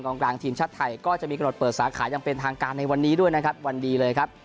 กลางทีมชาติไทยก็จะมีกระโดดเปิดสาขายังเป็นทางการในวันนี้ด้วยนะครับวันดีเลยครับ